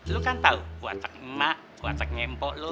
lo kan tau kuatak emak kuataknya empok lo